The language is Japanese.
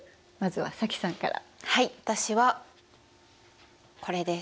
はい私はこれです。